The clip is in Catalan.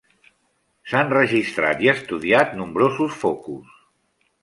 S'han registrat i estudiat nombrosos focus.